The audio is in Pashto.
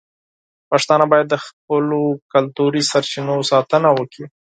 پښتانه باید د خپلو کلتوري سرچینو ساتنه وکړي.